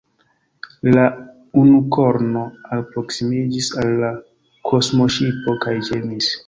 La unukorno alproskimiĝis al la kosmoŝipo kaj ĝemis.